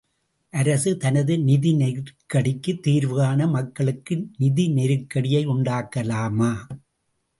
அரசு தனது நிதி நெருக்கடிக்குத் தீர்வுகாண மக்களுக்கு நிதி நெருக்கடியை உண்டாக்கலாமா?